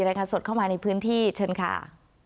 รายงานสดเข้ามาในพื้นที่เชิญค่ะ